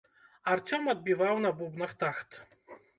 Арцём адбіваў на бубнах тахт.